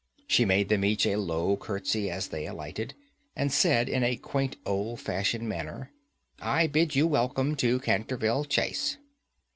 She made them each a low curtsey as they alighted, and said in a quaint, old fashioned manner, "I bid you welcome to Canterville Chase."